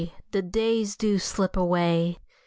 the days do slip away !